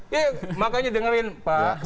ya makanya dengerin pak